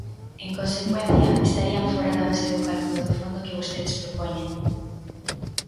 En consecuencia, estarían fóra da base do cálculo do fondo que vostedes propoñen.